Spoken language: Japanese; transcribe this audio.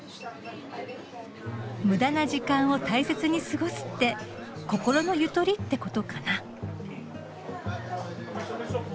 無駄な時間を大切に過ごすって心のゆとりってことかな。